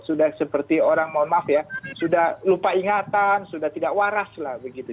sudah seperti orang mohon maaf ya sudah lupa ingatan sudah tidak waras lah begitu